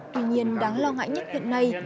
tuy nhiên đáng lo ngại nhất hiện nay